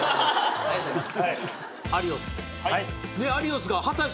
ありがとうございます。